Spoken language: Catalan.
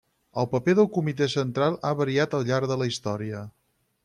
El paper del Comitè Central ha variat al llarg de la història.